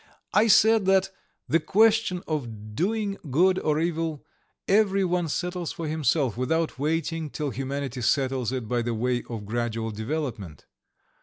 I said that "the question of doing good or evil every one settles for himself, without waiting till humanity settles it by the way of gradual development.